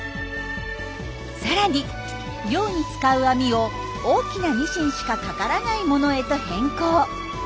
さらに漁に使う網を大きなニシンしかかからないものへと変更。